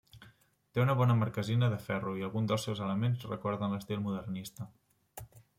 Té una bona marquesina de ferro i algun dels seus elements recorden l'estil modernista.